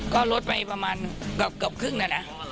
ก็ลดไปประมาณกับครึ่งแล้วนะ